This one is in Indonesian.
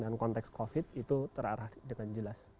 dengan konteks covid itu terarah dengan jelas